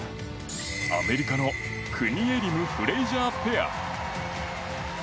アメリカのクニエリム、フレイジャーペア。